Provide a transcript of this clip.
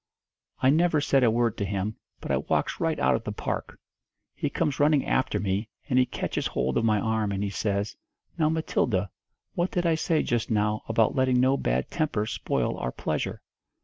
"I never said a word to him, but I walks right out of the park. He comes running after me, and he catches hold of my arm and he says, 'Now, Matilda, what did I say just now about letting no bad tempers spoil our pleasure?'